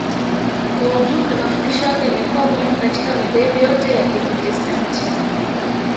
Kwa jumla mafundisho yake yamekuwa muhimu katika madhehebu yote ya Kiprotestanti